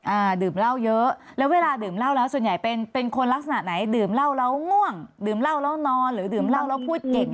อ่าดื่มเหล้าเยอะแล้วเวลาดื่มเหล้าแล้วส่วนใหญ่เป็นเป็นคนลักษณะไหนดื่มเหล้าแล้วง่วงดื่มเหล้าแล้วนอนหรือดื่มเหล้าแล้วพูดเก่ง